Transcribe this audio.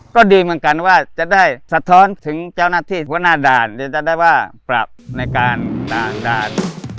ก็ดีเหมือนกันว่าจะได้สะท้อนถึงเจ้าหน้าที่หัวหน้าด่านเดี๋ยวจะได้ว่าปรับในการด่างด่าน